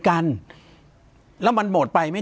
ปากกับภาคภูมิ